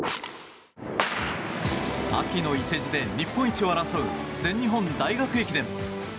秋の伊勢路で日本一を争う全日本大学駅伝。